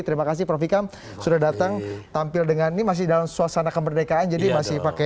terima kasih prof ikam sudah datang tampil dengan ini masih dalam suasana kemerdekaan jadi masih pakai